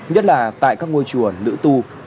nhất là tại các ngôi chùa nữ tu